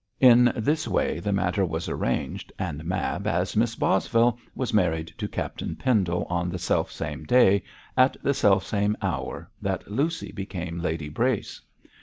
In this way the matter was arranged, and Mab, as Miss Bosvile, was married to Captain Pendle on the self same day, at the self same hour, that Lucy became Lady Brace.